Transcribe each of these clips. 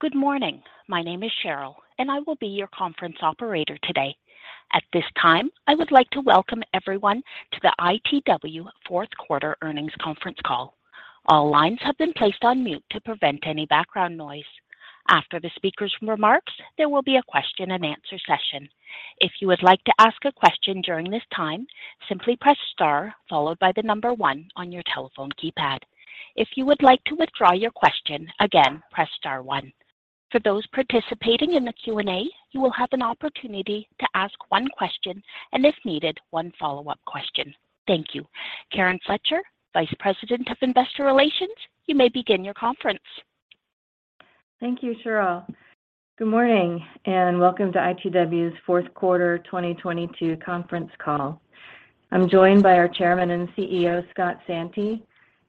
Good morning. My name is Cheryl, and I will be your conference operator today. At this time, I would like to welcome everyone to the ITW fourth quarter earnings conference call. All lines have been placed on mute to prevent any background noise. After the speaker's remarks, there will be a question and answer session. If you would like to ask a question during this time, simply press star followed by the number one on your telephone keypad. If you would like to withdraw your question, again, press star one. For those participating in the Q&A, you will have an opportunity to ask one question and, if needed, one follow-up question. Thank you. Karen Fletcher, Vice President of Investor Relations, you may begin your conference. Thank you, Cheryl. Good morning, welcome to ITW's fourth quarter 2022 conference call. I'm joined by our Chairman and CEO, Scott Santi,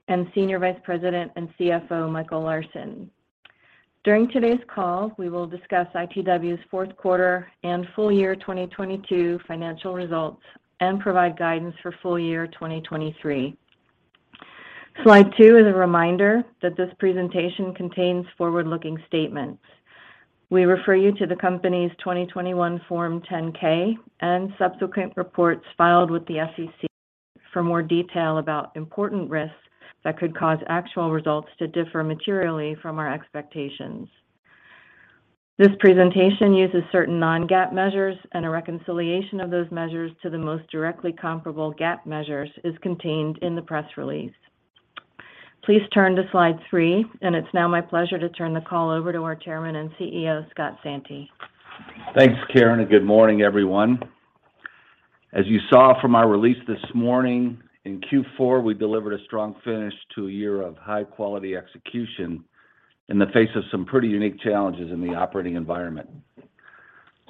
and Senior Vice President and CFO, Michael M. Larsen. During today's call, we will discuss ITW's fourth quarter and full year 2022 financial results and provide guidance for full year 2023. Slide two is a reminder that this presentation contains forward-looking statements. We refer you to the company's 2021 Form 10-K and subsequent reports filed with the SEC for more detail about important risks that could cause actual results to differ materially from our expectations. This presentation uses certain non-GAAP measures, a reconciliation of those measures to the most directly comparable GAAP measures is contained in the press release. Please turn to Slide three, it's now my pleasure to turn the call over to our Chairman and CEO, Scott Santi. Thanks, Karen. Good morning, everyone. As you saw from our release this morning, in Q4, we delivered a strong finish to a year of high-quality execution in the face of some pretty unique challenges in the operating environment.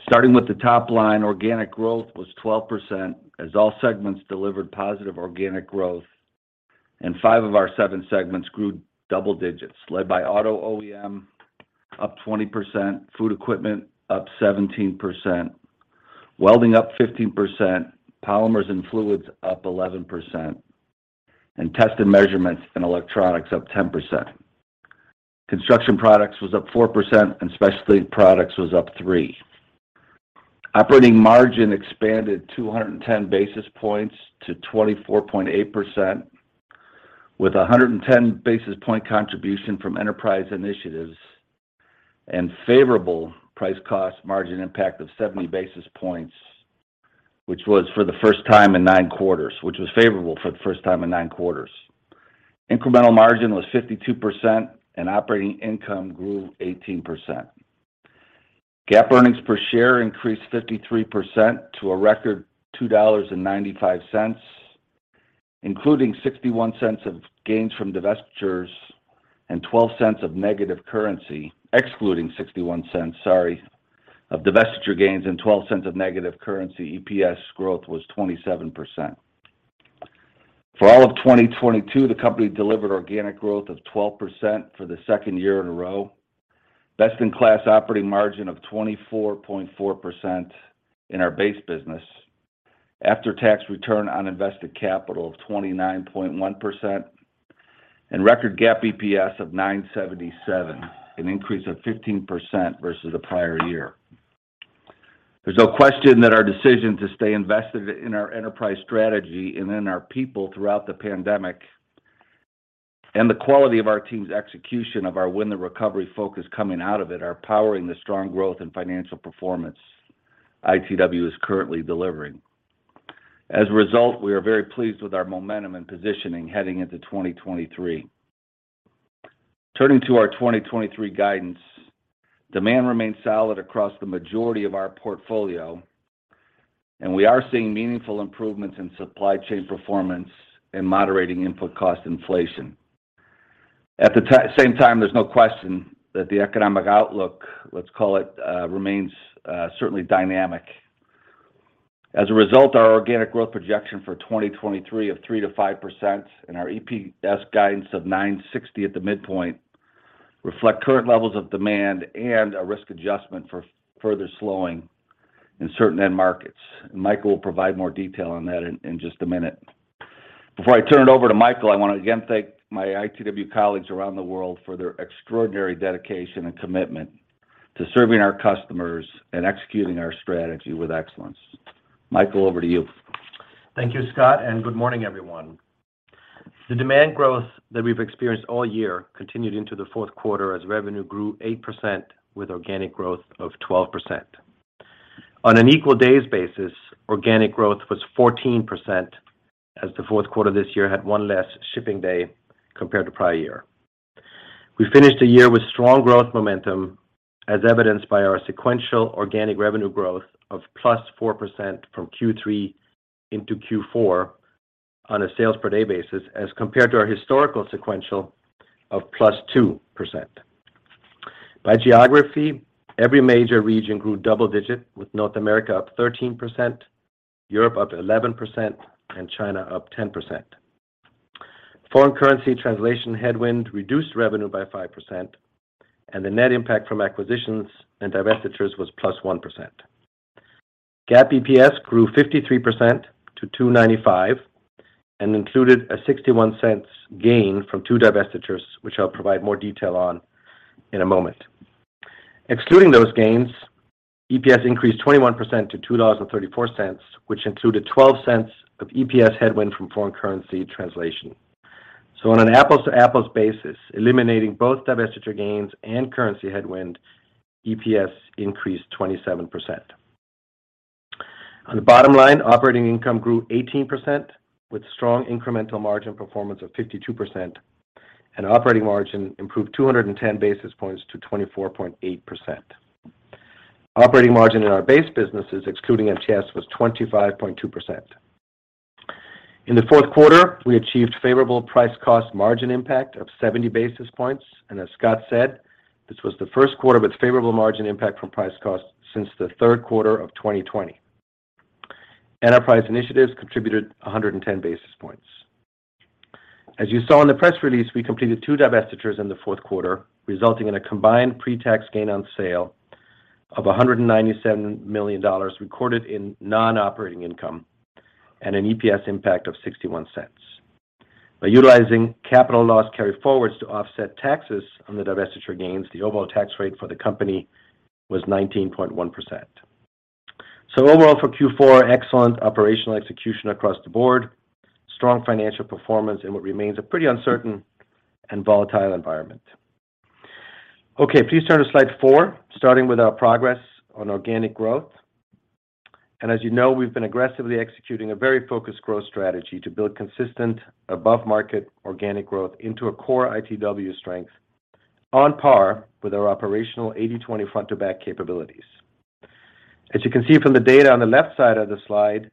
Starting with the top line, organic growth was 12% as all segments delivered positive organic growth, and five of our seven segments grew double digits, led by Auto OEM up 20%, Food Equipment up 17%, Welding up 15%, Polymers & Fluids up 11%, and Test & Measurement and Electronics up 10%. Construction Products was up 4%, and Specialty Products was up 3%. Operating margin expanded 210 basis points to 24.8%, with 110 basis point contribution from enterprise initiatives and favorable price/cost margin impact of 70 basis points, which was favorable for the first time in nine quarters. Incremental margin was 52%, and operating income grew 18%. GAAP earnings per share increased 53% to a record $2.95, including $0.61 of gains from divestitures and $0.12 of negative currency. Excluding $0.61 of divestiture gains and $0.12 of negative currency, EPS growth was 27%. For all of 2022, the company delivered organic growth of 12% for the second year in a row, best-in-class operating margin of 24.4% in our base business, after-tax return on invested capital of 29.1%, and record GAAP EPS of $9.77, an increase of 15% versus the prior year. There's no question that our decision to stay invested in our enterprise strategy and in our people throughout the pandemic and the quality of our team's execution of our Win the Recovery focus coming out of it are powering the strong growth and financial performance ITW is currently delivering. As a result, we are very pleased with our momentum and positioning heading into 2023. Turning to our 2023 guidance, demand remains solid across the majority of our portfolio. We are seeing meaningful improvements in supply chain performance and moderating input cost inflation. At the same time, there's no question that the economic outlook, let's call it, remains certainly dynamic. As a result, our organic growth projection for 2023 of 3%-5% and our EPS guidance of $9.60 at the midpoint reflect current levels of demand and a risk adjustment for further slowing in certain end markets. Michael will provide more detail on that in just a minute. Before I turn it over to Michael, I want to again thank my ITW colleagues around the world for their extraordinary dedication and commitment to serving our customers and executing our strategy with excellence. Michael, over to you. Thank you, Scott, good morning, everyone. The demand growth that we've experienced all year continued into the fourth quarter as revenue grew 8% with organic growth of 12%. On an equal days basis, organic growth was 14%, as the fourth quarter this year had one less shipping day compared to prior year. We finished the year with strong growth momentum, as evidenced by our sequential organic revenue growth of +4% from Q3 into Q4 on a sales per day basis as compared to our historical sequential of +2%. By geography, every major region grew double-digit, with North America up 13%, Europe up 11%, and China up 10%. Foreign currency translation headwind reduced revenue by 5%, and the net impact from acquisitions and divestitures was +1%. GAAP EPS grew 53% to $2.95, and included a $0.61 gain from two divestitures, which I'll provide more detail on in a moment. Excluding those gains, EPS increased 21% to $2.34, which included $0.12 of EPS headwind from foreign currency translation. On an apples-to-apples basis, eliminating both divestiture gains and currency headwind, EPS increased 27%. On the bottom line, operating income grew 18% with strong incremental margin performance of 52%, and operating margin improved 210 basis points to 24.8%. Operating margin in our base businesses, excluding MTS, was 25.2%. In the fourth quarter, we achieved favorable price/cost margin impact of 70 basis points. As Scott said, this was the first quarter with favorable margin impact from price/cost since the third quarter of 2020. Enterprise initiatives contributed 110 basis points. As you saw in the press release, we completed two divestitures in the fourth quarter, resulting in a combined pre-tax gain on sale of $197 million recorded in non-operating income, and an EPS impact of $0.61. By utilizing capital loss carryforwards to offset taxes on the divestiture gains, the overall tax rate for the company was 19.1%. Overall for Q4, excellent operational execution across the board, strong financial performance in what remains a pretty uncertain and volatile environment. Please turn to slide four, starting with our progress on organic growth. As you know, we've been aggressively executing a very focused growth strategy to build consistent above market organic growth into a core ITW strength on par with our operational 80/20 Front-to-Back capabilities. As you can see from the data on the left side of the slide,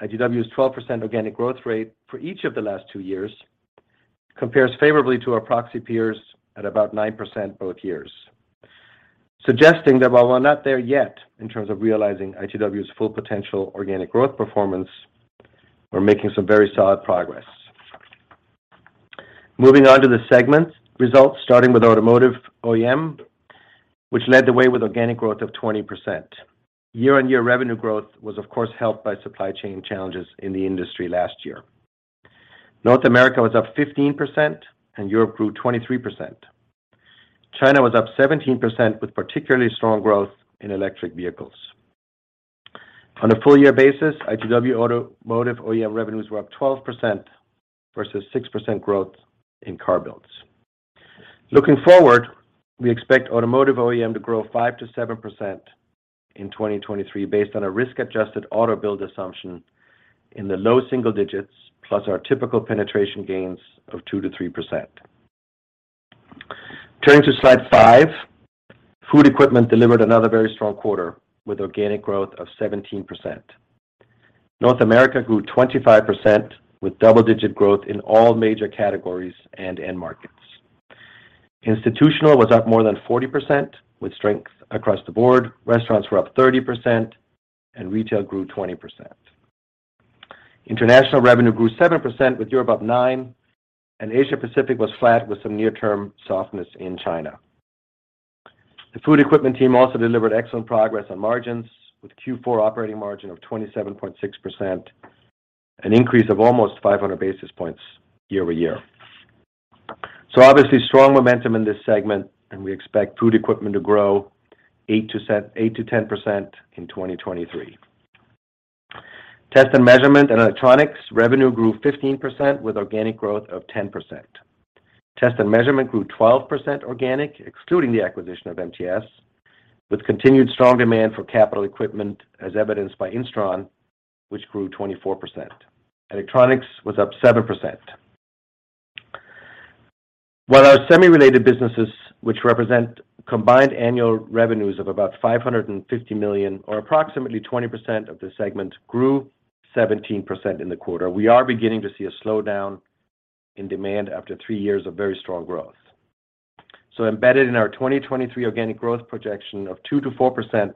ITW's 12% organic growth rate for each of the last two years compares favorably to our proxy peers at about 9% both years. Suggesting that while we're not there yet in terms of realizing ITW's Full Potential organic growth performance, we're making some very solid progress. Moving on to the segment results, starting with Automotive OEM, which led the way with organic growth of 20%. Year-on-year revenue growth was of course helped by supply chain challenges in the industry last year. North America was up 15%, and Europe grew 23%. China was up 17%, with particularly strong growth in electric vehicles. On a full year basis, ITW Automotive OEM revenues were up 12% versus 6% growth in car builds. Looking forward, we expect Automotive OEM to grow 5%-7% in 2023 based on a risk-adjusted auto build assumption in the low single digits, plus our typical penetration gains of 2%-3%. Turning to slide five, Food Equipment delivered another very strong quarter with organic growth of 17%. North America grew 25% with double-digit growth in all major categories and end markets. Institutional was up more than 40% with strength across the board. Restaurants were up 30%, and retail grew 20%. International revenue grew 7%, with Europe up 9%, and Asia Pacific was flat with some near term softness in China. The Food Equipment team also delivered excellent progress on margins with Q4 operating margin of 27.6%, an increase of almost 500 basis points year-over-year. Obviously strong momentum in this segment, and we expect Food Equipment to grow 8%-10% in 2023. Test & Measurement and Electronics revenue grew 15% with organic growth of 10%. Test & Measurement grew 12% organic, excluding the acquisition of MTS, with continued strong demand for capital equipment as evidenced by Instron, which grew 24%. Electronics was up 7%. While our semi-related businesses, which represent combined annual revenues of about $550 million or approximately 20% of the segment, grew 17% in the quarter, we are beginning to see a slowdown in demand after three years of very strong growth. Embedded in our 2023 organic growth projection of 2%-4%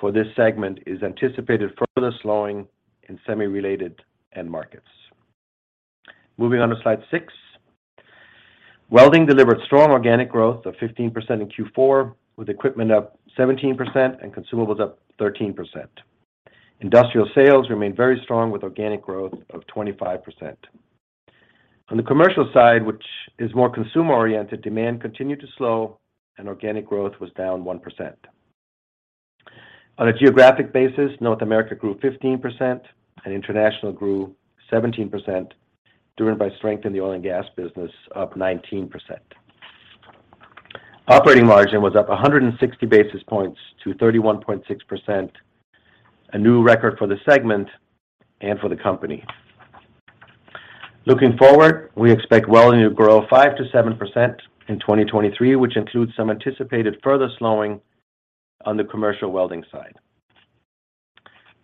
for this segment is anticipated further slowing in semi-related end markets. Moving on to slide six. Welding delivered strong organic growth of 15% in Q4, with equipment up 17% and consumables up 13%. Industrial sales remain very strong with organic growth of 25%. On the commercial side, which is more consumer-oriented, demand continued to slow and organic growth was down 1%. On a geographic basis, North America grew 15%, and international grew 17%, driven by strength in the oil and gas business up 19%. Operating margin was up 160 basis points to 31.6%, a new record for the segment and for the company. Looking forward, we expect Welding to grow 5%-7% in 2023, which includes some anticipated further slowing on the commercial welding side.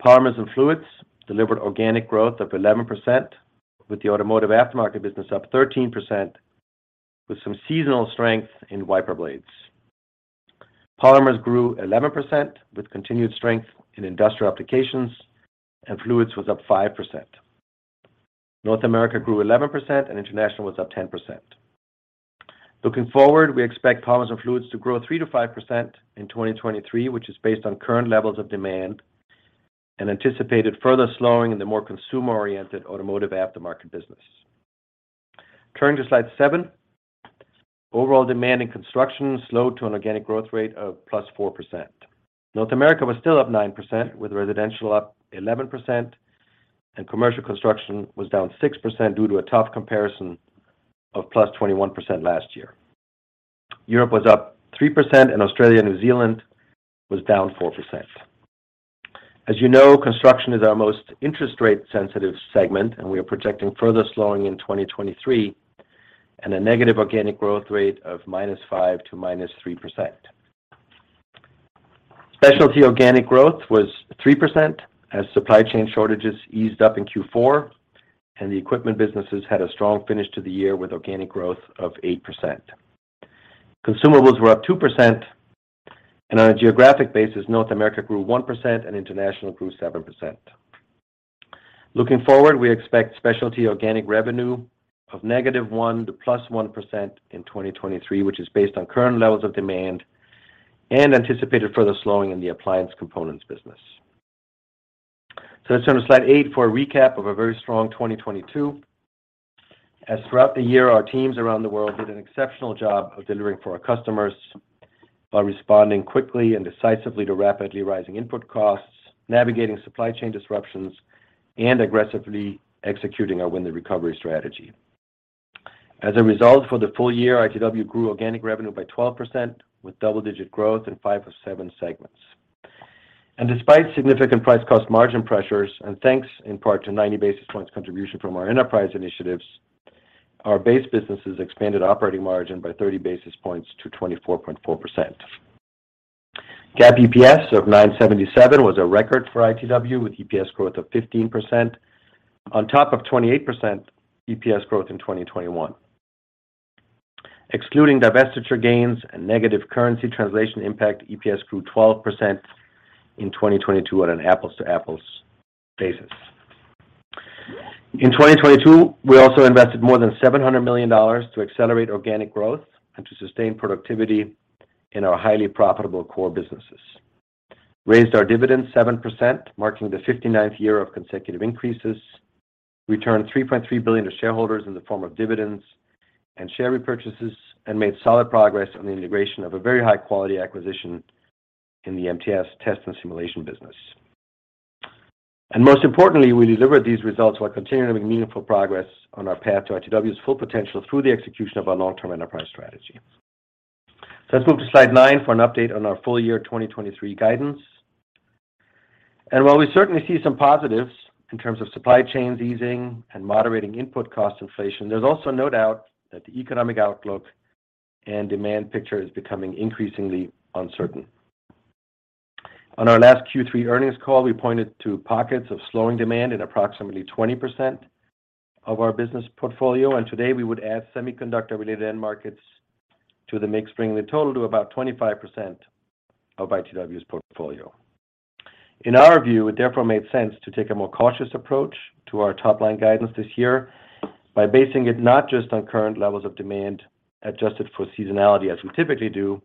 Polymers & Fluids delivered organic growth of 11%, with the automotive aftermarket business up 13%, with some seasonal strength in wiper blades. Polymers grew 11% with continued strength in industrial applications, and Fluids was up 5%. North America grew 11%, and international was up 10%. Looking forward, we expect Polymers & Fluids to grow 3%-5% in 2023, which is based on current levels of demand and anticipated further slowing in the more consumer-oriented automotive aftermarket business. Turning to slide seven, overall demand in construction slowed to an organic growth rate of +4%. North America was still up 9%, with residential up 11% and commercial construction was down 6% due to a tough comparison of +21% last year. Europe was up 3%. Australia/New Zealand was down 4%. As you know, construction is our most interest rate sensitive segment. We are projecting further slowing in 2023 and a negative organic growth rate of -5% to -3%. Specialty organic growth was 3% as supply chain shortages eased up in Q4 and the equipment businesses had a strong finish to the year with organic growth of 8%. Consumables were up 2%, and on a geographic basis, North America grew 1% and international grew 7%. Looking forward, we expect Specialty Products organic revenue of -1% to +1% in 2023, which is based on current levels of demand and anticipated further slowing in the appliance components business. Let's turn to slide eight for a recap of a very strong 2022. Throughout the year, our teams around the world did an exceptional job of delivering for our customers by responding quickly and decisively to rapidly rising input costs, navigating supply chain disruptions, and aggressively executing our Win the Recovery strategy. As a result, for the full year, ITW grew organic revenue by 12% with double-digit growth in five of seven segments. Despite significant price/cost margin pressures, and thanks in part to 90 basis points contribution from our enterprise initiatives, our base businesses expanded operating margin by 30 basis points to 24.4%. GAAP EPS of $9.77 was a record for ITW with EPS growth of 15% on top of 28% EPS growth in 2021. Excluding divestiture gains and negative currency translation impact, EPS grew 12% in 2022 on an apples-to-apples basis. In 2022, we also invested more than $700 million to accelerate organic growth and to sustain productivity in our highly profitable core businesses, raised our dividend 7%, marking the 59th year of consecutive increases, returned $3.3 billion to shareholders in the form of dividends and share repurchases, and made solid progress on the integration of a very high quality acquisition in the MTS Test & Simulation business. Most importantly, we delivered these results while continuing to make meaningful progress on our path to ITW's Full Potential through the execution of our long-term enterprise strategy. Let's move to slide nine for an update on our full year 2023 guidance. While we certainly see some positives in terms of supply chains easing and moderating input cost inflation, there's also no doubt that the economic outlook and demand picture is becoming increasingly uncertain. On our last Q3 earnings call, we pointed to pockets of slowing demand in approximately 20% of our business portfolio, and today we would add semiconductor-related end markets to the mix, bringing the total to about 25% of ITW's portfolio. In our view, it therefore made sense to take a more cautious approach to our top-line guidance this year by basing it not just on current levels of demand adjusted for seasonality as we typically do,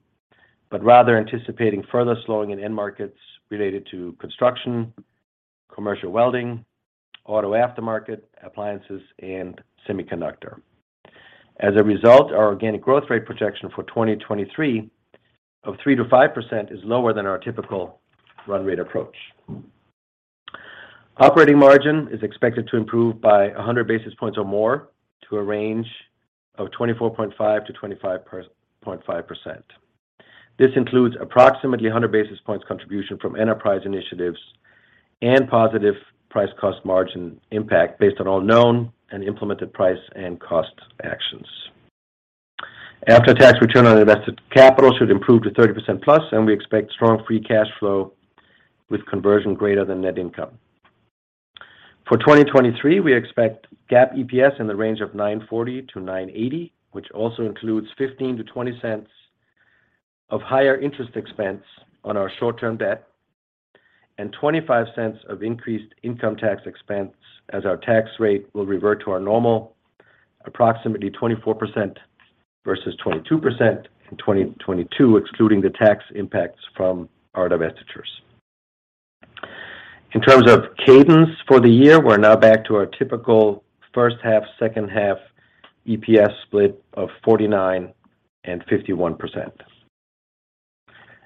but rather anticipating further slowing in end markets related to construction, commercial welding, auto aftermarket, appliances, and semiconductor. As a result, our organic growth rate projection for 2023 of 3%-5% is lower than our typical run rate approach. Operating margin is expected to improve by 100 basis points or more to a range of 24.5%-25.5%. This includes approximately 100 basis points contribution from enterprise initiatives and positive price/cost margin impact based on all known and implemented price and cost actions. After-tax return on invested capital should improve to 30%+, and we expect strong free cash flow with conversion greater than net income. For 2023, we expect GAAP EPS in the range of $9.40-$9.80, which also includes $0.15-$0.20 of higher interest expense on our short-term debt and $0.25 of increased income tax expense as our tax rate will revert to our normal approximately 24% versus 22% in 2022, excluding the tax impacts from our divestitures. In terms of cadence for the year, we're now back to our typical first half, second half EPS split of 49% and 51%.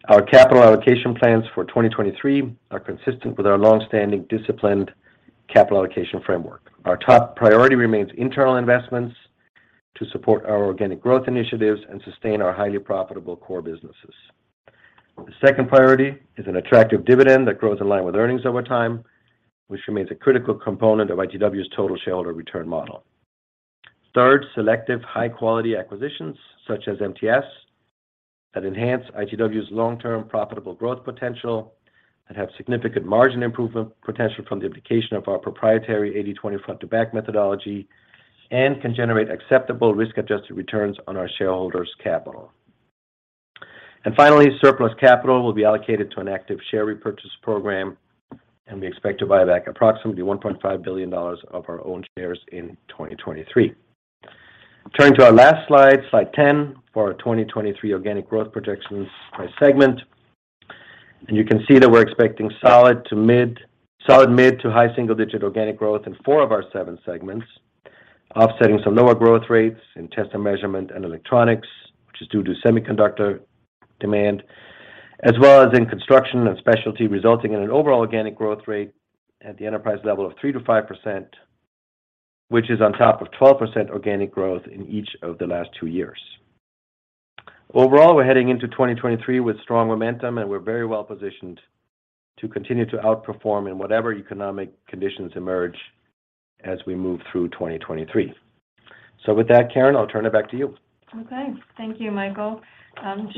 Our capital allocation plans for 2023 are consistent with our long-standing disciplined capital allocation framework. Our top priority remains internal investments to support our organic growth initiatives and sustain our highly profitable core businesses. The second priority is an attractive dividend that grows in line with earnings over time, which remains a critical component of ITW's total shareholder return model. Third, selective high quality acquisitions such as MTS that enhance ITW's long-term profitable growth potential and have significant margin improvement potential from the application of our proprietary 80/20 Front-to-Back methodology and can generate acceptable risk-adjusted returns on our shareholders' capital. Finally, surplus capital will be allocated to an active share repurchase program, and we expect to buy back approximately $1.5 billion of our own shares in 2023. Turning to our last slide 10, for our 2023 organic growth projections by segment. You can see that we're expecting solid, mid to high single-digit organic growth in four of our seven segments, offsetting some lower growth rates in Test & Measurement and Electronics, which is due to semiconductor demand, as well as in Construction and Specialty, resulting in an overall organic growth rate at the enterprise level of 3%-5%, which is on top of 12% organic growth in each of the last two years. We're heading into 2023 with strong momentum, and we're very well-positioned to continue to outperform in whatever economic conditions emerge as we move through 2023. With that, Karen, I'll turn it back to you. Okay. Thank you, Michael.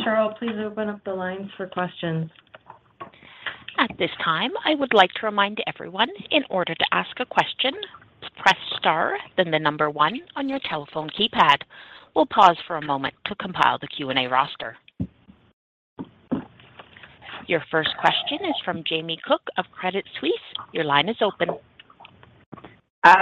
Cheryl, please open up the lines for questions. At this time, I would like to remind everyone in order to ask a question, press star then one on your telephone keypad. We'll pause for a moment to compile the Q&A roster. Your first question is from Jamie Cook of Credit Suisse. Your line is open.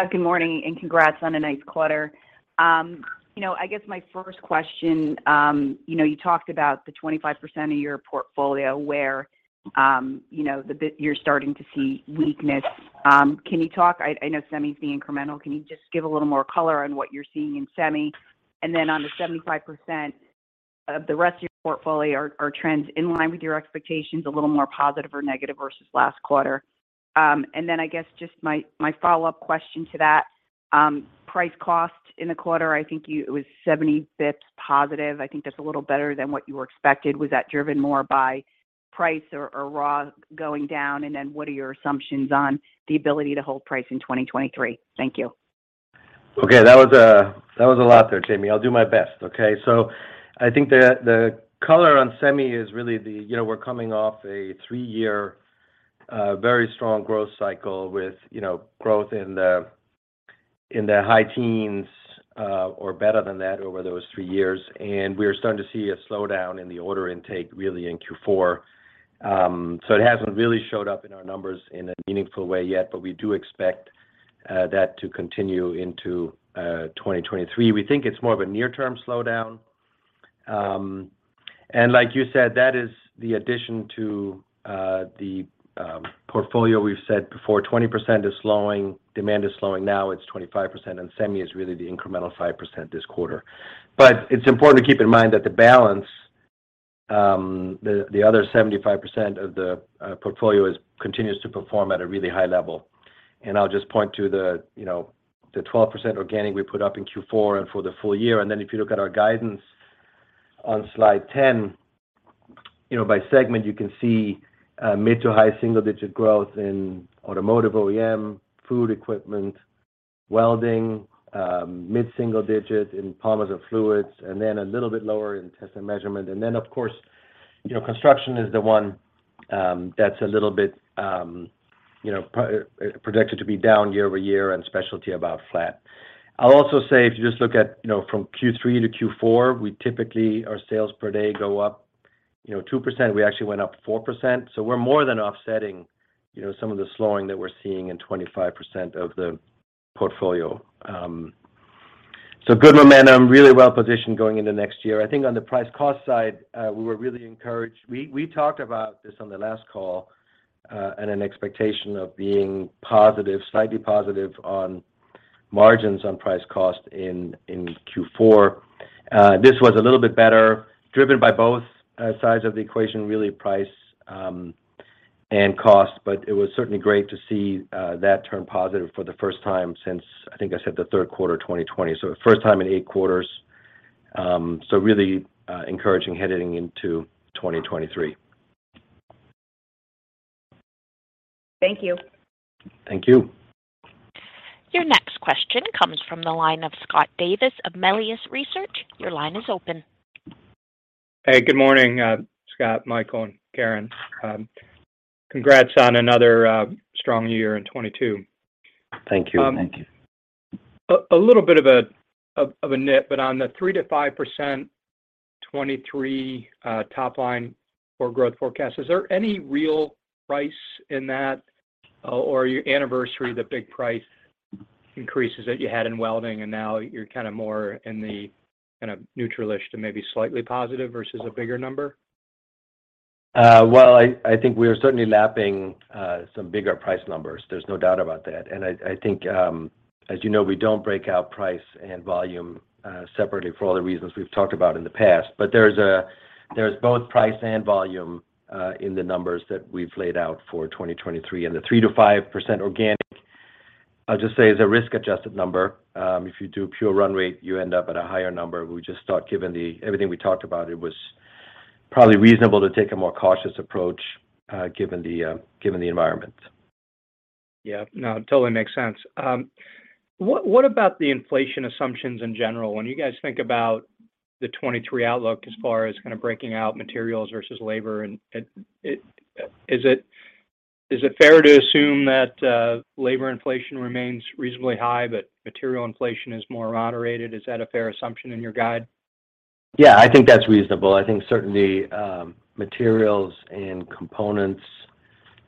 Good morning, and congrats on a nice quarter. You know, I guess my first question, you know, you talked about the 25% of your portfolio where, you know, you're starting to see weakness. Can you talk, I know semi's the incremental. Can you just give a little more color on what you're seeing in semi? On the 75% of the rest of your portfolio, are trends in line with your expectations a little more positive or negative versus last quarter? I guess just my follow-up question to that, price/cost in the quarter, I think it was 70 basis points positive, I think that's a little better than what you were expected. Was that driven more by price or raw going down? What are your assumptions on the ability to hold price in 2023? Thank you. Okay. That was a, that was a lot there, Jamie. I'll do my best, okay? I think the color on semi is really the, you know, we're coming off a three-year very strong growth cycle with, you know, growth in the high teens or better than that over those three years. We're starting to see a slowdown in the order intake really in Q4. It hasn't really showed up in our numbers in a meaningful way yet, but we do expect that to continue into 2023. We think it's more of a near-term slowdown. Like you said, that is the addition to the portfolio we've said before. 20% is slowing. Demand is slowing. Now it's 25%, and semi is really the incremental 5% this quarter. It's important to keep in mind that the balance, the other 75% of the portfolio continues to perform at a really high level. I'll just point to the, you know, the 12% organic we put up in Q4 and for the full year. Then if you look at our guidance on slide 10, you know, by segment, you can see mid to high single-digit growth in Automotive OEM, Food Equipment, Welding, mid single digit in Polymers & Fluids, then a little bit lower in Test & Measurement. Then, of course, you know, Construction is the one that's a little bit, you know, projected to be down year-over-year and Specialty about flat. I'll also say if you just look at, you know, from Q3 to Q4, we typically, our sales per day go up, you know, 2%. We actually went up 4%. We're more than offsetting, you know, some of the slowing that we're seeing in 25% of the portfolio. Good momentum, really well positioned going into next year. I think on the price/cost side, we were really encouraged. We talked about this on the last call, and an expectation of being positive, slightly positive on margins on price/cost in Q4. This was a little bit better driven by both sides of the equation, really price and cost. It was certainly great to see that turn positive for the first time since, I think I said the third quarter of 2020. The first time in eight quarters. Really encouraging heading into 2023. Thank you. Thank you. Your next question comes from the line of Scott Davis of Melius Research. Your line is open. Hey, good morning, Scott, Michael, and Karen. Congrats on another strong year in 2022. Thank you. Thank you. A little bit of a nit, on the 3%-5% 2023 top line for growth forecast, is there any real price in that or your anniversary, the big price increases that you had in Welding and now you're kind of more in the kind of neutral-ish to maybe slightly positive versus a bigger number? Well, I think we are certainly lapping some bigger price numbers. There's no doubt about that. I think, as you know, we don't break out price and volume separately for all the reasons we've talked about in the past. There's both price and volume in the numbers that we've laid out for 2023. The 3%-5% organic, I'll just say, is a risk-adjusted number. If you do pure run rate, you end up at a higher number. We just thought given everything we talked about, it was probably reasonable to take a more cautious approach, given the given the environment. Yeah. No, it totally makes sense. What about the inflation assumptions in general? When you guys think about the 2023 outlook as far as kind of breaking out materials versus labor and is it fair to assume that labor inflation remains reasonably high, but material inflation is more moderated? Is that a fair assumption in your guide? Yeah, I think that's reasonable. I think certainly, materials and components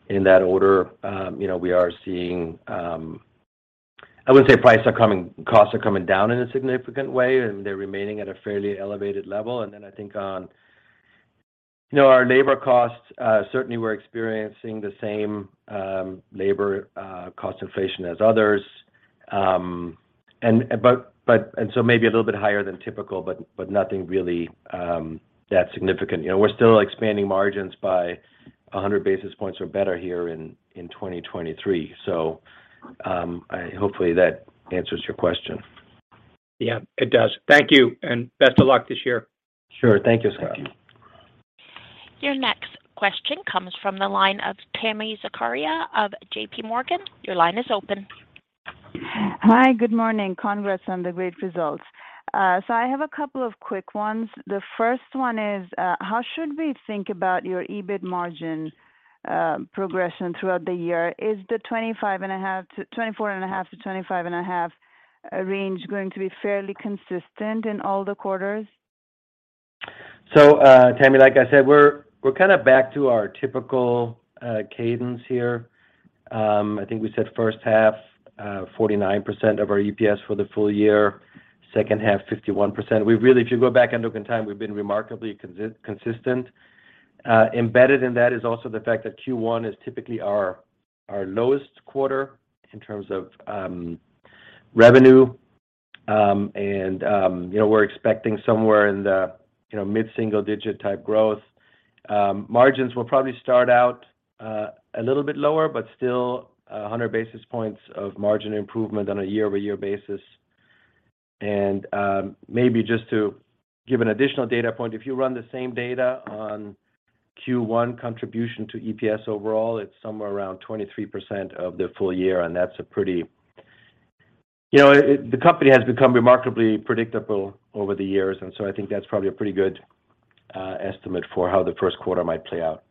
in that order, we are seeing costs are coming down in a significant way, and they're remaining at a fairly elevated level. I think on our labor costs, certainly we're experiencing the same labor cost inflation as others. Maybe a little bit higher than typical, but nothing really that significant. We're still expanding margins by 100 basis points or better here in 2023. Hopefully that answers your question. Yeah, it does. Thank you, and best of luck this year. Sure. Thank you, Scott. Your next question comes from the line of Tami Zakaria of JP Morgan. Your line is open. Hi. Good morning. Congrats on the great results. I have a couple of quick ones. The first one is, how should we think about your EBIT margin progression throughout the year? Is the 24.5%-25.5% range going to be fairly consistent in all the quarters? Tami, like I said, we're kind of back to our typical cadence here. I think we said first half, 49% of our EPS for the full year, second half 51%. We really, if you go back and look in time, we've been remarkably consistent. Embedded in that is also the fact that Q1 is typically our lowest quarter in terms of revenue. And, you know, we're expecting somewhere in the, you know, mid-single-digit type growth. Margins will probably start out a little bit lower, but still 100 basis points of margin improvement on a year-over-year basis. And, maybe just to give an additional data point, if you run the same data on Q1 contribution to EPS overall, it's somewhere around 23% of the full year, and that's a pretty... You know, the company has become remarkably predictable over the years, and so I think that's probably a pretty good estimate for how the first quarter might play out.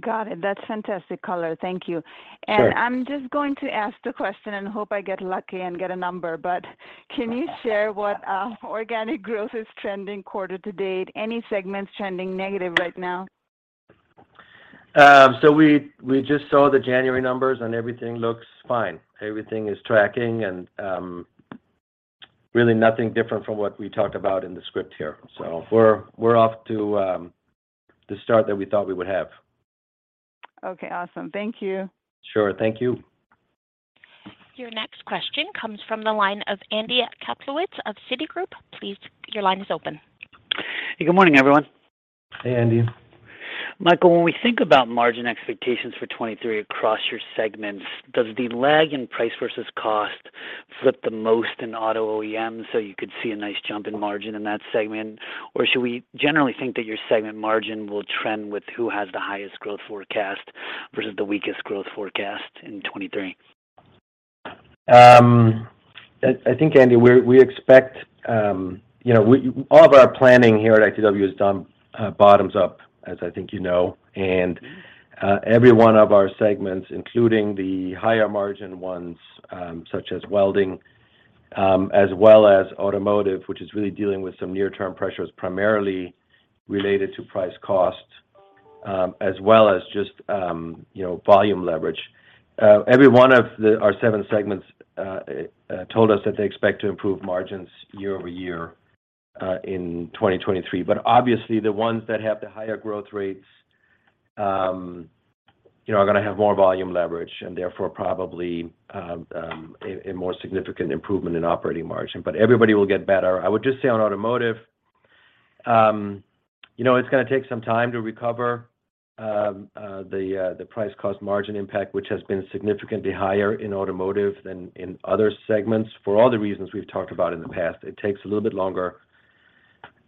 Got it. That's fantastic color. Thank you. Sure. I'm just going to ask the question and hope I get lucky and get a number. Can you share what organic growth is trending quarter to date? Any segments trending negative right now? We just saw the January numbers, and everything looks fine. Everything is tracking and, really nothing different from what we talked about in the script here. We're off to, the start that we thought we would have. Okay, awesome. Thank you. Sure. Thank you. Your next question comes from the line of Andy Kaplowitz of Citigroup. Please, your line is open. Good morning, everyone. Hey, Andy. Michael, when we think about margin expectations for 2023 across your segments, does the lag in price versus cost flip the most in auto OEM, so you could see a nice jump in margin in that segment? Should we generally think that your segment margin will trend with who has the highest growth forecast versus the weakest growth forecast in 2023? I think, Andy, we expect, you know, all of our planning here at ITW is done, bottoms up, as I think you know. Every one of our segments, including the higher margin ones, such as Welding, as well as automotive, which is really dealing with some near term pressures primarily related to price/cost, as well as just, you know, volume leverage. Every one of our seven segments told us that they expect to improve margins year-over-year in 2023. Obviously the ones that have the higher growth rates, you know, are gonna have more volume leverage and therefore probably a more significant improvement in operating margin. Everybody will get better. I would just say on automotive, you know, it's gonna take some time to recover, the price/cost margin impact, which has been significantly higher in automotive than in other segments for all the reasons we've talked about in the past. It takes a little bit longer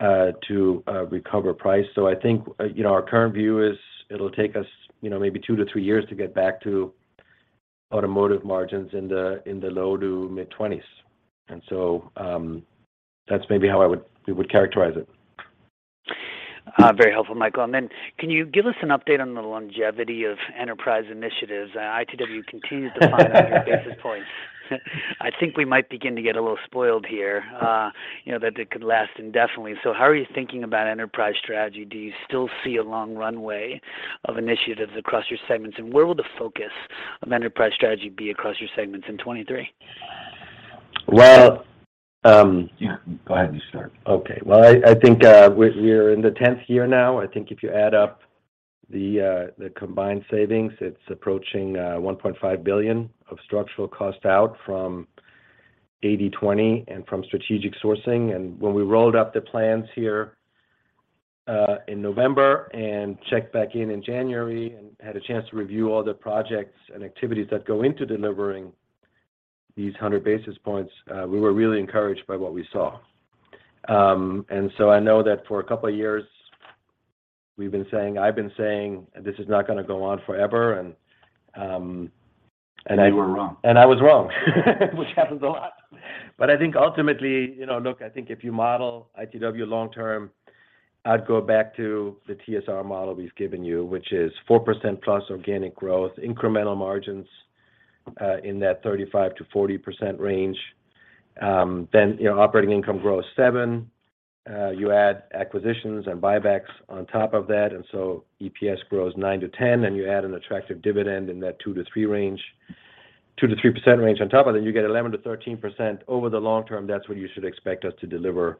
to recover price. I think, you know, our current view is it'll take us, you know, maybe two to three years to get back to automotive margins in the, in the low to mid-twenties. That's maybe how we would characterize it. Very helpful, Michael. Can you give us an update on the longevity of enterprise initiatives? ITW continues to find-... 100 basis points. I think we might begin to get a little spoiled here, you know, that it could last indefinitely. How are you thinking about enterprise strategy? Do you still see a long runway of initiatives across your segments? Where will the focus of enterprise strategy be across your segments in 2023? Well. Go ahead, you start. Okay. Well, I think we're in the 10th year now. I think if you add up the combined savings, it's approaching $1.5 billion of structural cost out from 80/20 and from strategic sourcing. When we rolled up the plans here in November and checked back in in January and had a chance to review all the projects and activities that go into delivering these 100 basis points, we were really encouraged by what we saw. So I know that for a couple of years I've been saying this is not gonna go on forever. You were wrong. I was wrong, which happens a lot. I think ultimately, you know, look, I think if you model ITW long term, I'd go back to the TSR model we've given you, which is 4%+ organic growth, incremental margins, in that 35%-40% range. You know, operating income grows 7%. You add acquisitions and buybacks on top of that, EPS grows 9%-10%, and you add an attractive dividend in that 2%-3% range on top of that, you get 11%-13%. Over the long term, that's what you should expect us to deliver.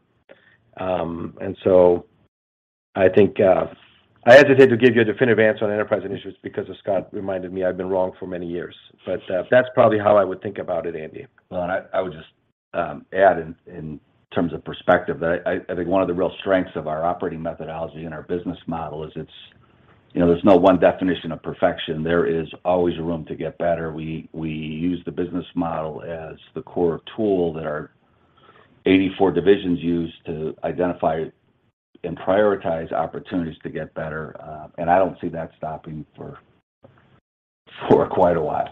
I think, I hesitate to give you a definitive answer on enterprise initiatives because as Scott reminded me, I've been wrong for many years. That's probably how I would think about it, Andy. I would just add in terms of perspective that I think one of the real strengths of our operating methodology and our business model is it's, you know, there's no one definition of perfection. There is always room to get better. We use the business model as the core tool that our 84 divisions use to identify and prioritize opportunities to get better, and I don't see that stopping for quite a while.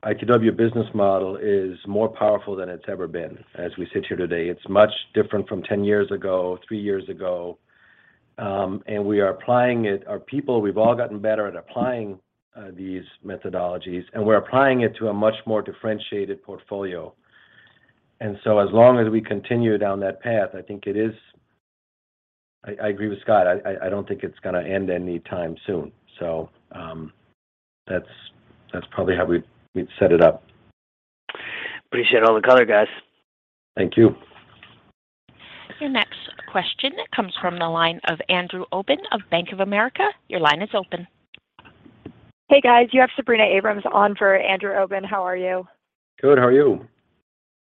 Right. I think we've said this before. I mean, this proprietary ITW business model is more powerful than it's ever been as we sit here today. It's much different from 10 years ago, three years ago. Our people, we've all gotten better at applying these methodologies, and we're applying it to a much more differentiated portfolio. As long as we continue down that path, I agree with Scott. I don't think it's gonna end any time soon. That's probably how we'd set it up. Appreciate all the color, guys. Thank you. Your next question comes from the line of Andrew Obin of Bank of America. Your line is open. Hey, guys. You have Sabrina Abrams on for Andrew Obin. How are you? Good. How are you?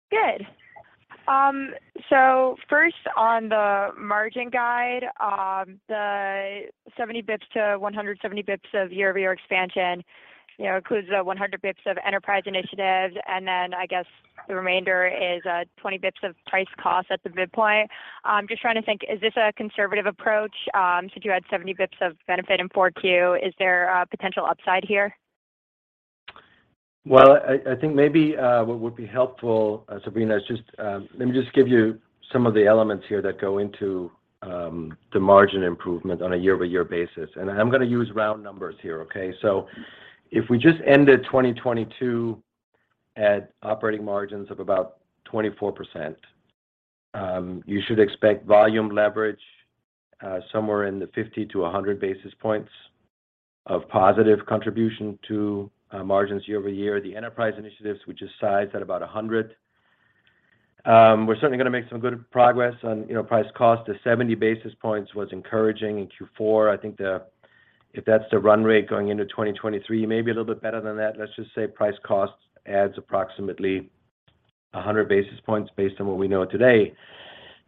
Good. First on the margin guide, the 70 basis points to 170 basis points of year-over-year expansion, you know, includes the 100 basis points of enterprise initiatives, and then I guess the remainder is, 20 basis points of price/cost at the midpoint. I'm just trying to think, is this a conservative approach, since you had 70 basis points of benefit in Q4? Is there a potential upside here? Well, I think maybe what would be helpful, Sabrina, is just, let me just give you some of the elements here that go into the margin improvement on a year-over-year basis. I'm gonna use round numbers here, okay? If we just ended 2022 at operating margins of about 24%, you should expect volume leverage somewhere in the 50-100 basis points of positive contribution to margins year-over-year. The enterprise initiatives, which is sized at about 100, we're certainly gonna make some good progress on, you know, price/cost. The 70 basis points was encouraging in Q4. I think if that's the run rate going into 2023, maybe a little bit better than that. Let's just say price/cost adds approximately 100 basis points based on what we know today.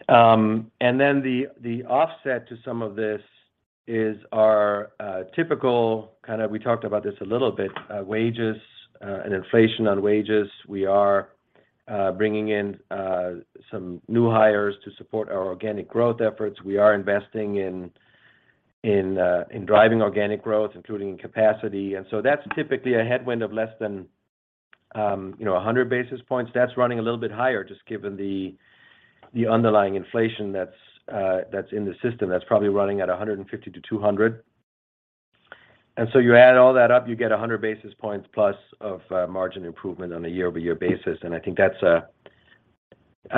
The, the offset to some of this is our typical wages and inflation on wages. We are bringing in some new hires to support our organic growth efforts. We are investing in driving organic growth, including in capacity. That's typically a headwind of less than, you know, 100 basis points. That's running a little bit higher just given the underlying inflation that's in the system. That's probably running at 150-200. You add all that up, you get 100+ basis points of margin improvement on a year-over-year basis, I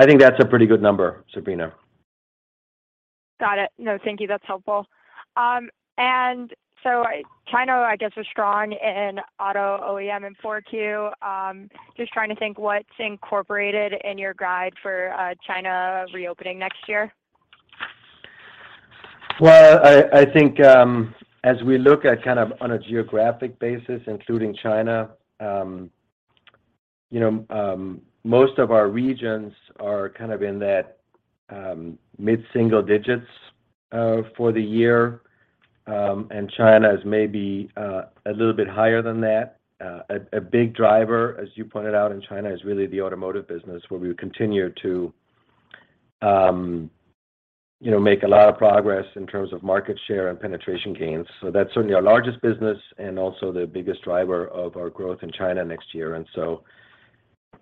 think that's a pretty good number, Sabrina. Got it. No, thank you. That's helpful. China, I guess, was strong in Auto OEM in 4Q. Just trying to think what's incorporated in your guide for China reopening next year. Well, I think, as we look at kind of on a geographic basis, including China, you know, most of our regions are kind of in that mid-single digits for the year, and China is maybe a little bit higher than that. A big driver, as you pointed out in China, is really the Automotive business where we continue to, you know, make a lot of progress in terms of market share and penetration gains. That's certainly our largest business and also the biggest driver of our growth in China next year.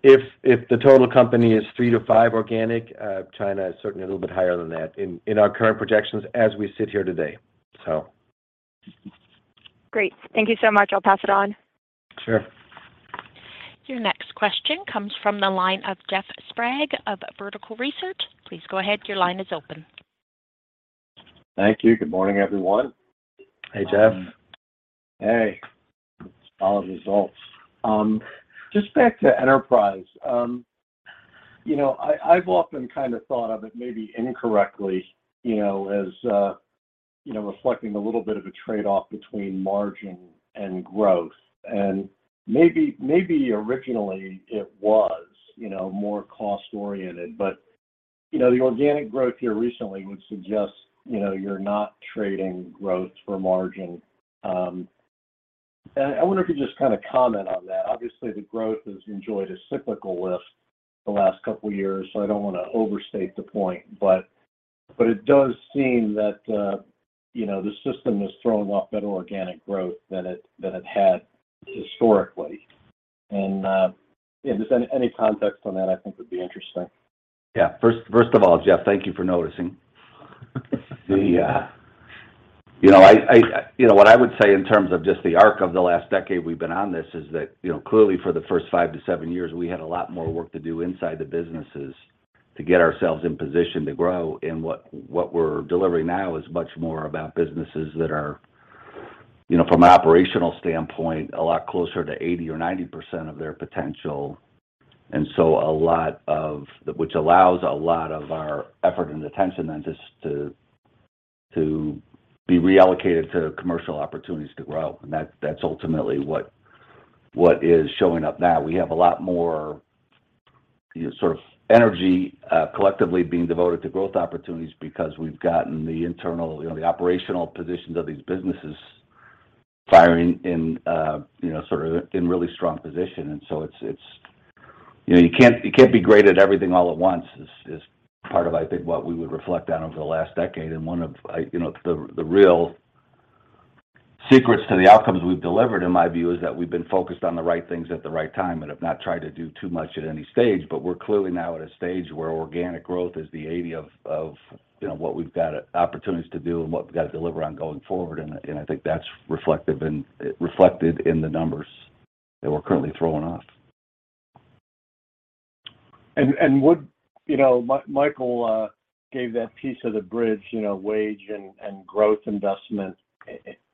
If the total company is 3%-5% organic, China is certainly a little bit higher than that in our current projections as we sit here today, so. Great. Thank you so much. I'll pass it on. Sure. Your next question comes from the line of Jeff Sprague of Vertical Research. Please go ahead, your line is open. Thank you. Good morning, everyone. Hey, Jeff. Hey. Solid results. Just back to enterprise. You know, I've often kind of thought of it maybe incorrectly, you know, as, you know, reflecting a little bit of a trade-off between margin and growth. Maybe, maybe originally it was, you know, more cost-oriented. You know, the organic growth here recently would suggest, you know, you're not trading growth for margin. I wonder if you just kind of comment on that. Obviously, the growth has enjoyed a cyclical lift the last couple of years, so I don't want to overstate the point, but it does seem that, you know, the system is throwing off better organic growth than it had historically. Yeah, just any context on that I think would be interesting. Yeah. First of all, Jeff, thank you for noticing. The, you know, what I would say in terms of just the arc of the last decade we've been on this is that, you know, clearly for the first five to seven years, we had a lot more work to do inside the businesses to get ourselves in position to grow. What we're delivering now is much more about businesses that are, you know, from an operational standpoint, a lot closer to 80% or 90% of their potential. So which allows a lot of our effort and attention then just to be reallocated to commercial opportunities to grow. That's ultimately what is showing up now. We have a lot more sort of energy, collectively being devoted to growth opportunities because we've gotten the internal, you know, the operational positions of these businesses firing in, you know, sort of in really strong position. And so it's. You know, you can't, you can't be great at everything all at once is part of, I think, what we would reflect on over the last decade. One of, you know, the real secrets to the outcomes we've delivered, in my view, is that we've been focused on the right things at the right time, and have not tried to do too much at any stage. But we're clearly now at a stage where organic growth is the 80 of, you know, what we've got opportunities to do and what we've got to deliver on going forward. I think that's reflected in the numbers that we're currently throwing off. You know, Michael gave that piece of the bridge, you know, wage and growth investment.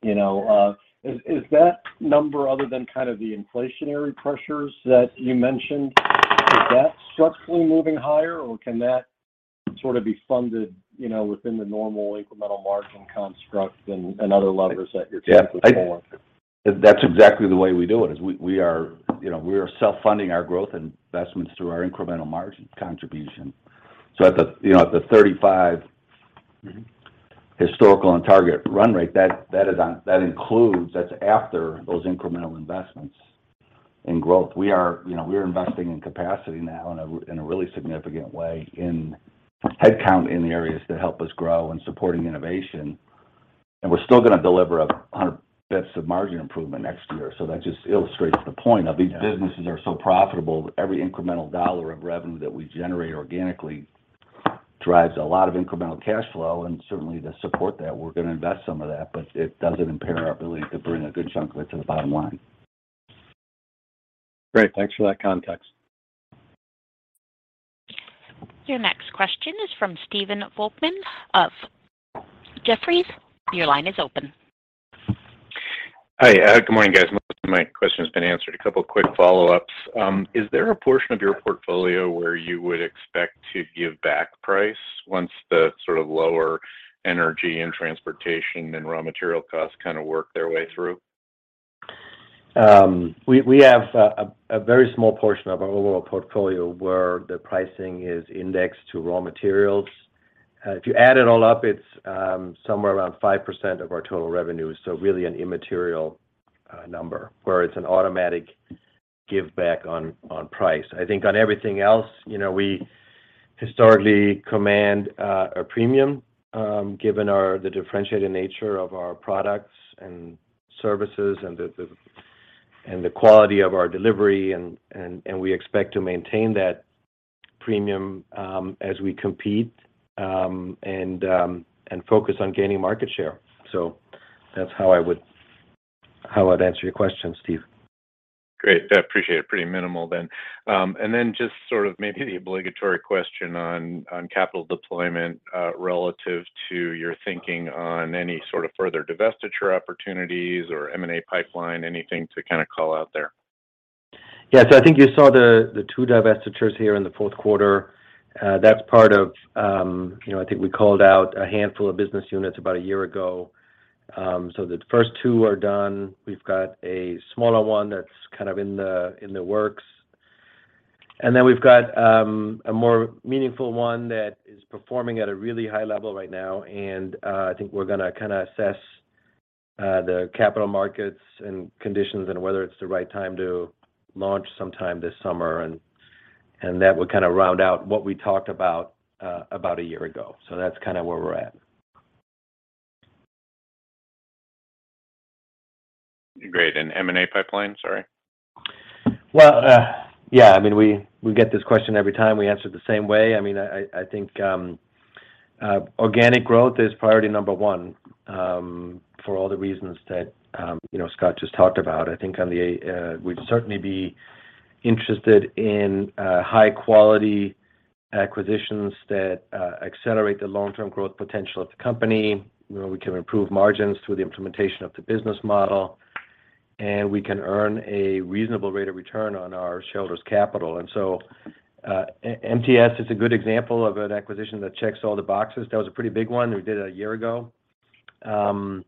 You know, is that number other than kind of the inflationary pressures that you mentioned, is that structurally moving higher, or can that sort of be funded, you know, within the normal incremental margin construct and other levers that you're pulling for? Yeah. That's exactly the way we do it, is we are, you know, we are self-funding our growth investments through our incremental margin contribution. At the 35%- Mm-hmm... historical and target run rate, that includes, that's after those incremental investments in growth. We are, you know, we are investing in capacity now in a, in a really significant way in headcount in the areas that help us grow and supporting innovation. We're still gonna deliver 100 basis points of margin improvement next year. That just illustrates the point of these businesses are so profitable, every incremental dollars of revenue that we generate organically drives a lot of incremental cash flow, and certainly to support that, we're gonna invest some of that, but it doesn't impair our ability to bring a good chunk of it to the bottom line. Great. Thanks for that context. Your next question is from Stephen Volkmann of Jefferies. Your line is open. Hi. Good morning, guys. Most of my question has been answered. A couple of quick follow-ups. Is there a portion of your portfolio where you would expect to give back price once the sort of lower energy and transportation and raw material costs kind of work their way through? We have a very small portion of our overall portfolio where the pricing is indexed to raw materials. If you add it all up, it's somewhere around 5% of our total revenue, so really an immaterial number, where it's an automatic giveback on price. I think on everything else, you know, we historically command a premium, given the differentiated nature of our products and services and the quality of our delivery, and we expect to maintain that premium as we compete and focus on gaining market share. That's how I would, how I'd answer your question, Steve. Great. I appreciate it. Pretty minimal then. Then just sort of maybe the obligatory question on capital deployment, relative to your thinking on any sort of further divestiture opportunities or M&A pipeline, anything to kind of call out there? Yeah. I think you saw the two divestitures here in the fourth quarter. That's part of, you know, I think we called out a handful of business units about a year ago. The first two are done. We've got a smaller one that's kind of in the works. We've got a more meaningful one that is performing at a really high level right now. I think we're gonna kind of assess the capital markets and conditions and whether it's the right time to launch sometime this summer, and that would kind of round out what we talked about about a year ago. That's kind of where we're at. Great. M&A pipeline? Sorry. Well, yeah, I mean, we get this question every time, we answer it the same way. I mean, I think organic growth is priority one for all the reasons that, you know, Scott just talked about. I think we'd certainly be interested in high-quality acquisitions that accelerate the long-term growth potential of the company, you know, we can improve margins through the implementation of the business model, and we can earn a reasonable rate of return on our shareholders' capital. MTS is a good example of an acquisition that checks all the boxes. That was a pretty big one we did a year ago. To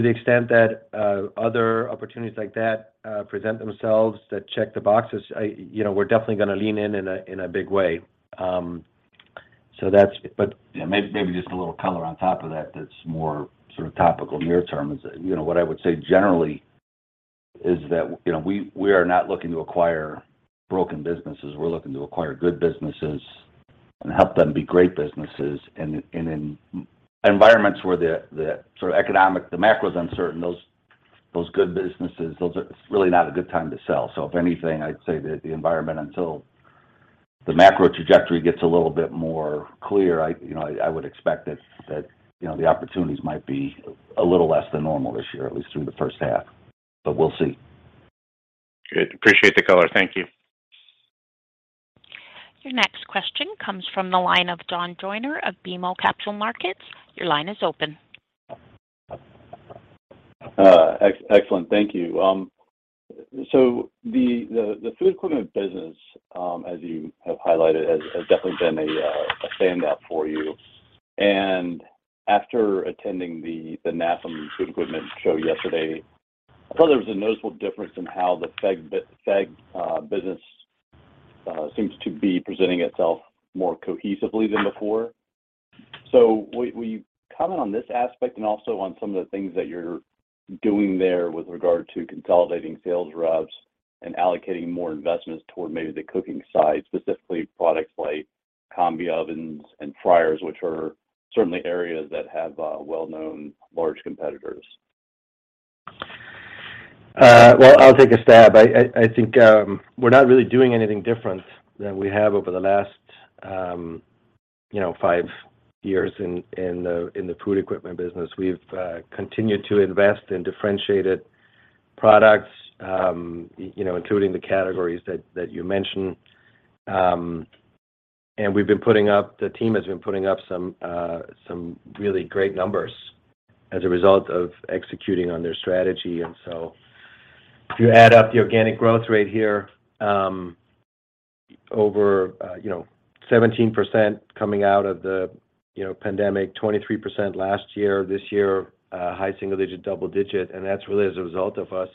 the extent that other opportunities like that present themselves that check the boxes, you know, we're definitely gonna lean in in a big way. Maybe just a little color on top of that that's more sort of topical near term is, you know, what I would say generally is that, you know, we are not looking to acquire broken businesses. We're looking to acquire good businesses and help them be great businesses. In environments where the sort of economic-- the macro is uncertain, those good businesses, those are really not a good time to sell. If anything, I'd say that the environment until the macro trajectory gets a little bit more clear, I, you know, I would expect that, you know, the opportunities might be a little less than normal this year, at least through the first half. We'll see. Good. Appreciate the color. Thank you. Your next question comes from the line of John Joyner of BMO Capital Markets. Your line is open. Excellent. Thank you. So the Food Equipment business, as you have highlighted, has definitely been a standout for you. After attending the NAFEM Food Equipment Show yesterday, I thought there was a noticeable difference in how the FEG business seems to be presenting itself more cohesively than before. Will you comment on this aspect and also on some of the things that you're doing there with regard to consolidating sales reps and allocating more investments toward maybe the cooking side, specifically products like combi ovens and fryers, which are certainly areas that have well-known large competitors? Well, I'll take a stab. I think we're not really doing anything different than we have over the last, you know, five years in the Food Equipment business. We've continued to invest in differentiated products, you know, including the categories that you mentioned. The team has been putting up some really great numbers as a result of executing on their strategy. If you add up the organic growth rate here, over, you know, 17% coming out of the, you know, pandemic, 23% last year. This year, high single digit, double digit, and that's really as a result of us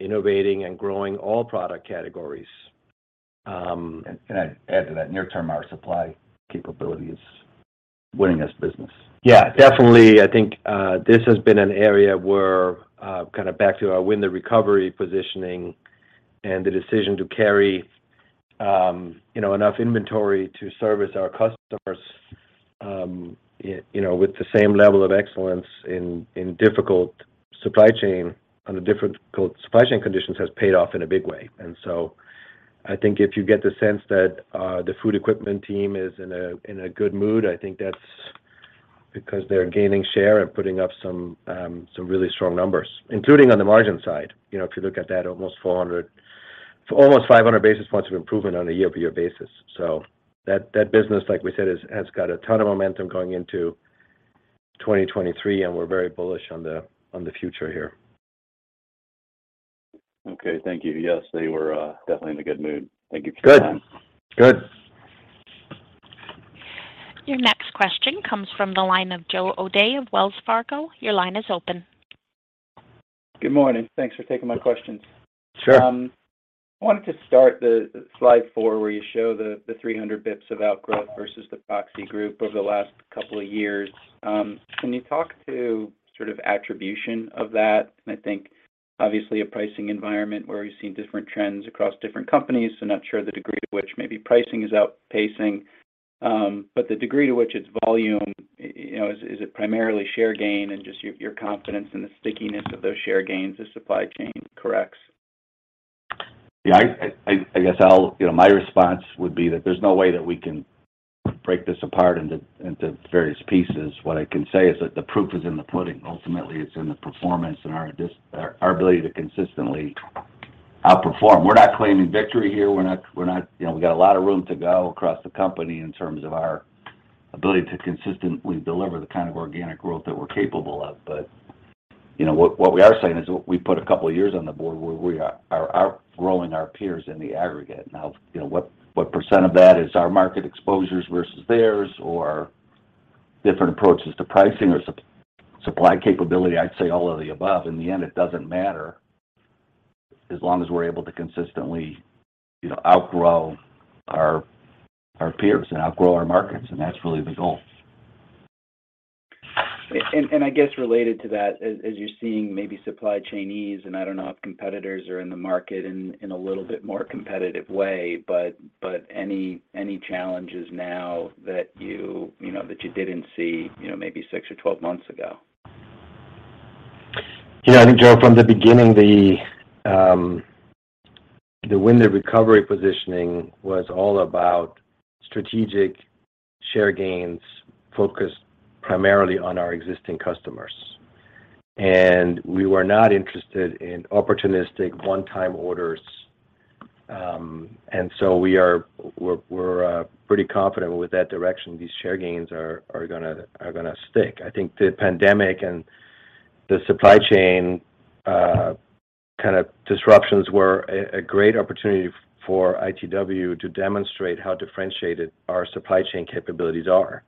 innovating and growing all product categories. Can I add to that? Near term, our supply capability is winning us business. Yeah, definitely. I think, this has been an area where, kind of back to our Win the Recovery positioning and the decision to carry, you know, enough inventory to service our customers, you know, with the same level of excellence in difficult supply chain, under difficult supply chain conditions has paid off in a big way. I think if you get the sense that, the Food Equipment team is in a, in a good mood, I think that's because they're gaining share and putting up some really strong numbers, including on the margin side. You know, if you look at that almost 500 basis points of improvement on a year-over-year basis. That business, like we said, has got a ton of momentum going into 2023, and we're very bullish on the future here. Okay. Thank you. Yes, they were definitely in a good mood. Thank you for your time. Good. Good. Your next question comes from the line of Joe O'Dea of Wells Fargo. Your line is open. Good morning. Thanks for taking my questions. Sure. I wanted to start the slide four, where you show the 300 basis points of outgrowth versus the proxy group over the last couple of years. Can you talk to sort of attribution of that? I think obviously a pricing environment where we've seen different trends across different companies, so not sure the degree to which maybe pricing is outpacing. The degree to which it's volume, you know, is it primarily share gain and just your confidence in the stickiness of those share gains as supply chain corrects? I guess I'll, you know, my response would be that there's no way that we can break this apart into various pieces. What I can say is that the proof is in the pudding. Ultimately, it's in the performance and our ability to consistently outperform. We're not claiming victory here. We're not. You know, we got a lot of room to go across the company in terms of our ability to consistently deliver the kind of organic growth that we're capable of. You know, what we are saying is we put a couple of years on the board where we are outgrowing our peers in the aggregate. You know, what % of that is our market exposures versus theirs or different approaches to pricing or supply capability? I'd say all of the above. In the end, it doesn't matter as long as we're able to consistently, you know, outgrow our peers and outgrow our markets. That's really the goal. I guess related to that, as you're seeing maybe supply chain ease, and I don't know if competitors are in the market in a little bit more competitive way, but any challenges now that you know, that you didn't see, you know, maybe six or 12 months ago? Yeah, I think, Joe, from the beginning, the Win the Recovery positioning was all about strategic share gains focused primarily on our existing customers. We were not interested in opportunistic one-time orders. We're pretty confident with that direction these share gains are gonna stick. I think the pandemic and the supply chain disruptions were a great opportunity for ITW to demonstrate how differentiated our supply chain capabilities are.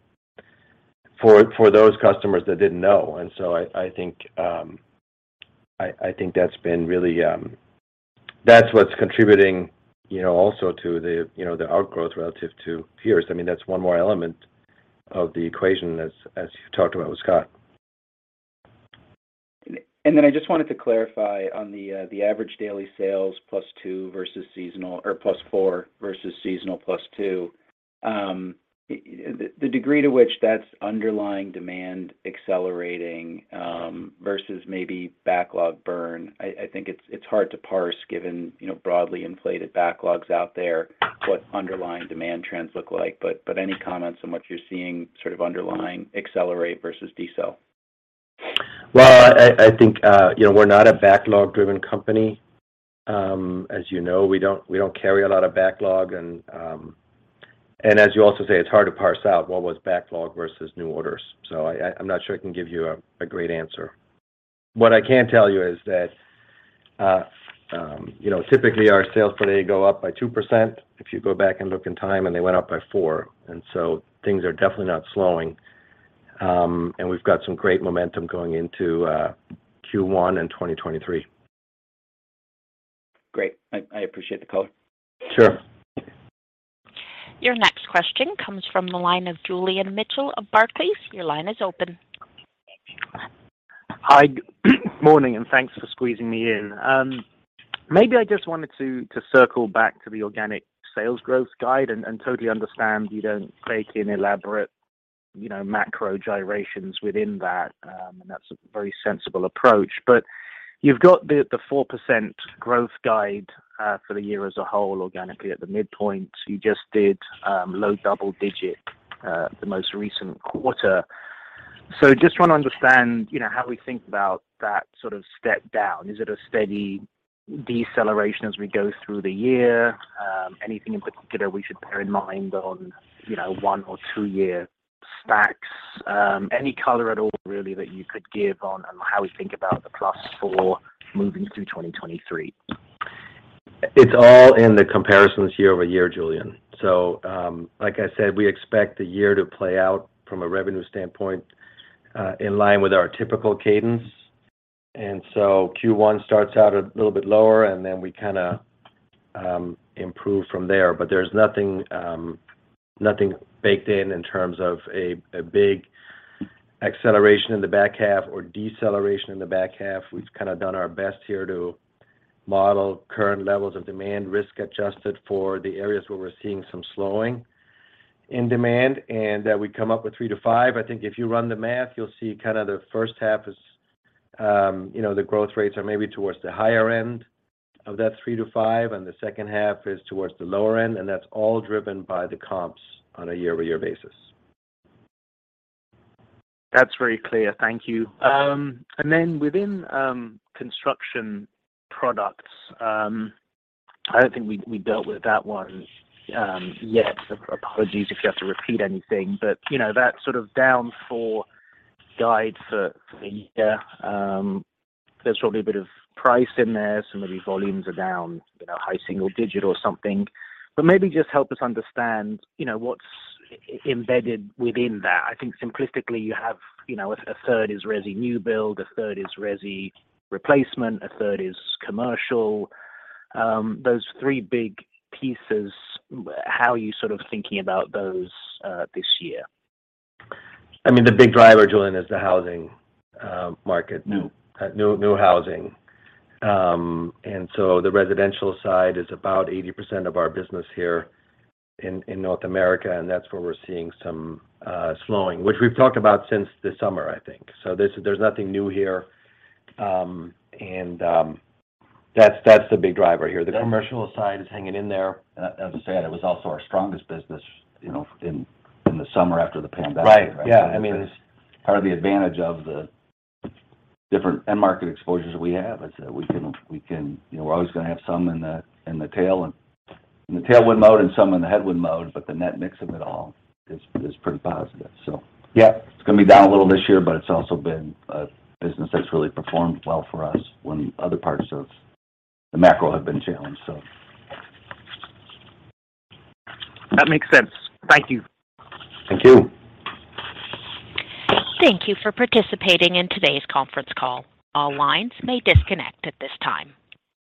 For those customers that didn't know. I think that's been really. That's what's contributing, you know, also to the, you know, the outgrowth relative to peers. I mean, that's one more element of the equation as you talked about with Scott. I just wanted to clarify on the average daily sales +2 versus seasonal or +4 versus seasonal +2. The degree to which that's underlying demand accelerating versus maybe backlog burn, I think it's hard to parse given, you know, broadly inflated backlogs out there what underlying demand trends look like. Any comments on what you're seeing sort of underlying accelerate versus decel? Well, I think, you know, we're not a backlog-driven company. As you know, we don't carry a lot of backlog and as you also say, it's hard to parse out what was backlog versus new orders. I'm not sure I can give you a great answer. What I can tell you is that, you know, typically our sales per day go up by 2% if you go back and look in time, and they went up by 4%. Things are definitely not slowing. We've got some great momentum going into Q1 in 2023. Great. I appreciate the color. Sure. Your next question comes from the line of Julian Mitchell of Barclays. Your line is open. Hi. Morning. Thanks for squeezing me in. Maybe I just wanted to circle back to the organic sales growth guide and totally understand you don't bake in elaborate, you know, macro gyrations within that, and that's a very sensible approach. You've got the 4% growth guide for the year as a whole organically at the midpoint. You just did low double digit the most recent quarter. Just want to understand, you know, how we think about that sort of step down. Is it a steady deceleration as we go through the year? Anything in particular we should bear in mind on, you know, one or two year stacks? Any color at all really that you could give on how we think about the +4 moving through 2023. It's all in the comparisons year-over-year, Julian. Like I said, we expect the year to play out from a revenue standpoint, in line with our typical cadence. Q1 starts out a little bit lower, and then we kinda improve from there. There's nothing baked in in terms of a big acceleration in the back half or deceleration in the back half. We've kinda done our best here to model current levels of demand risk-adjusted for the areas where we're seeing some slowing in demand, and that we come up with 3%-5%. I think if you run the math, you'll see kinda the first half is, you know, the growth rates are maybe towards the higher end of that 3%-5%, the second half is towards the lower end, that's all driven by the comps on a year-over-year basis. That's very clear. Thank you. Then within Construction Products, I don't think we dealt with that one yet. Apologies if you have to repeat anything. You know, that sort of down 4% guide for the year, there's probably a bit of price in there. Some of the volumes are down, you know, high single digit or something. Maybe just help us understand, you know, what's embedded within that. I think simplistically you have, you know, a third is resi new build, a third is resi replacement, a third is commercial. Those three big pieces, how are you sort of thinking about those this year? I mean, the big driver, Julian, is the housing, market. New. New housing. The residential side is about 80% of our business here in North America, and that's where we're seeing some slowing, which we've talked about since the summer, I think. There's nothing new here. That's the big driver here. The commercial side is hanging in there. As I said, it was also our strongest business, you know, in the summer after the pandemic. Right. Yeah. I mean. Part of the advantage of the different end market exposures we have is that we can, you know, we're always gonna have some in the tailwind mode and some in the headwind mode, but the net mix of it all is pretty positive. Yeah. It's gonna be down a little this year, but it's also been a business that's really performed well for us when other parts of the macro have been challenged, so. That makes sense. Thank you. Thank you. Thank you for participating in today's conference call. All lines may disconnect at this time.